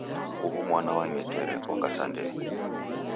Uhu mwana wang'etere, oka sa ndee.